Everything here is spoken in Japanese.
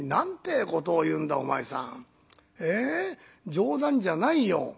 冗談じゃないよ。